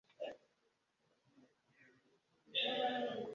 Opio ne Odongo ewaabwe mbu mannya ga balongo.